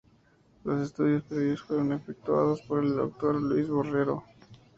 Los estudios previos fueron efectuados por el doctor Luis Borrero.